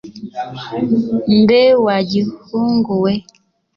mbe wa gihungu we